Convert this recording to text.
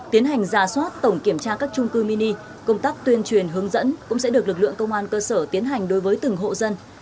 tiến hành giả soát tổng kiểm tra các trung cư mini công tác tuyên truyền hướng dẫn cũng sẽ được lực lượng công an cơ sở tiến hành đối với từng hộ dân